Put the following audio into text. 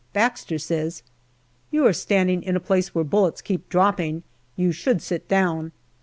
Baxter says, " You are standing in a place where bullets keep dropping. You should sit down.